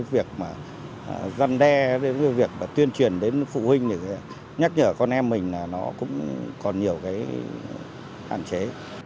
việc dân đe việc tuyên truyền đến phụ huynh nhắc nhở con em mình là nó cũng còn nhiều hạn chế